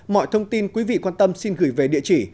mọi thông tin quý vị quan tâm xin gửi về địa chỉ